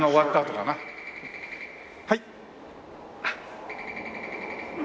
はい！